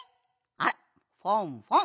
あらフォンフォン。